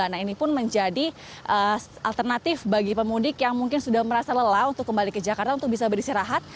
nah ini pun menjadi alternatif bagi pemudik yang mungkin sudah merasa lelah untuk kembali ke jakarta untuk bisa beristirahat